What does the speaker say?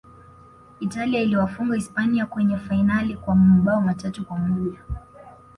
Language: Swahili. italia iliwafunga hispania kwenye fainali kwa mabao matatu kwa moja